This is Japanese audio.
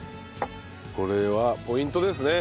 これはポイントですね。